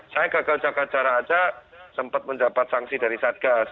saya gagal jaga jarak aja sempat mendapat sanksi dari satgas